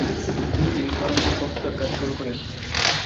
তিনি স্বয়ম্ভূর সংস্কারকাজ শুরু করেন।